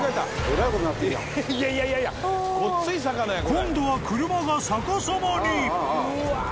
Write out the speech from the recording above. ［今度は車が逆さまに］